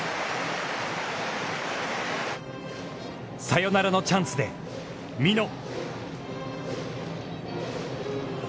サヨナラのチャンスで美濃。